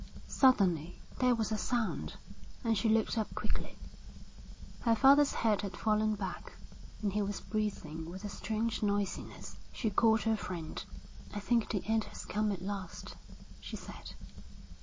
Suddenly there was a sound, and she looked up quickly. Her father's head had fallen back, and he was breathing with a strange noisiness. She called her friend. 'I think the end has come at last,' she said.